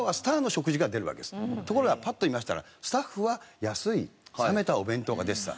ところがパッと見ましたらスタッフは安い冷めたお弁当が出てた。